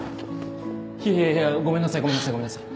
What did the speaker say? キャ！いやごめんなさいごめんなさいごめんなさい。